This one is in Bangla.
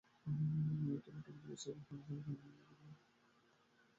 এর উত্তরে টঙ্গী ব্রীজ, পশ্চিমে হরিরামপুর ইউনিয়ন, পূর্বে দক্ষিণ খান ও দক্ষিণে বিমানবন্দর অবস্থিত।